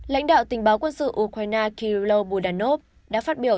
lãnh đạo tình báo quân sự ukraine kirill budanov đã phát biểu